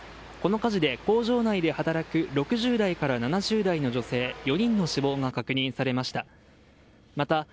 この火事で工場内で働く６０代から７０代の女性４人の死亡が確認されました。